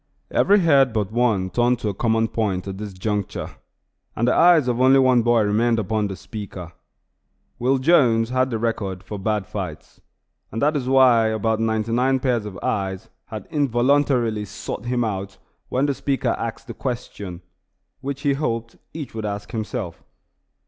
Every head but one turned to a common point at this juncture, and the eyes of only one boy remained upon the speaker. Will Jones had the record for bad fights, and that is why about ninety nine pairs of eyes had involuntarily sought him out when the speaker asked the question, which he hoped each would ask himself.